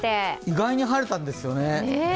意外に晴れたんですよね。